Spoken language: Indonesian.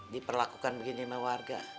diperlakukan begini sama warga